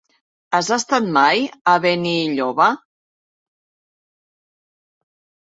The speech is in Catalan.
Has estat mai a Benilloba?